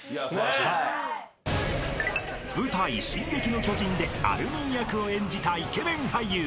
［舞台『進撃の巨人』でアルミン役を演じたイケメン俳優］